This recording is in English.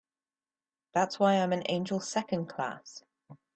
That's why I'm an angel Second Class.